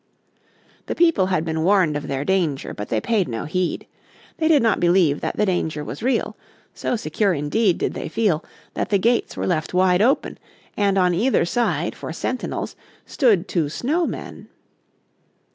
The people had been warned of their danger, but they paid no heed. They did not believe that the danger was real. So secure indeed did they feel that the gates were left wide open, and on either side for sentinels stood two snow men.